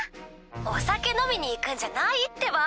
お酒飲みに行くんじゃないってば。